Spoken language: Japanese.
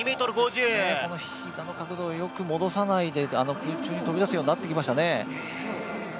この膝の角度をよく戻さないで空中に飛び出すようになってきましたね。